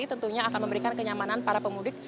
jadi tentunya akan memberikan kenyamanan para pemudik